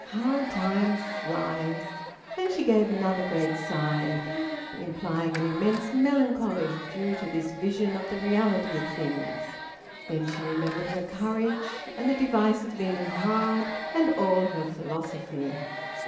How time flies!" And she gave another great sigh, implying an immense melancholy due to this vision of the reality of things. Then she remembered her courage, and the device of leaning hard, and all her philosophy.